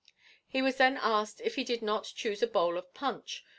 He was then asked if he did not chuse a bowl of punch?